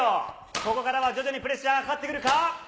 ここからは徐々にプレッシャーがかかってくるか。